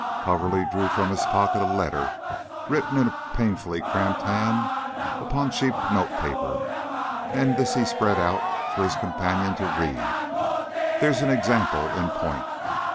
Coverly drew from his pocket a letter written in a painfully cramped hand upon cheap note paper, and this he spread out for his companion to read. "There's an example in point."